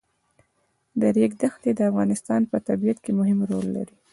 د ریګ دښتې د افغانستان په طبیعت کې مهم رول لري.